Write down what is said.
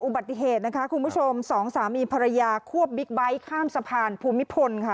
อุบัติเหตุนะคะคุณผู้ชมสองสามีภรรยาควบบิ๊กไบท์ข้ามสะพานภูมิพลค่ะ